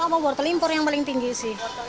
sama wortel impor yang paling tinggi sih